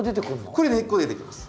これで根っこ出てきます。